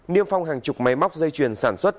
niêm phong hàng chục máy móc dây chuyền sản xuất